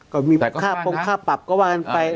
ก็มีค่าปงค่าปรับก็ว่ากันไป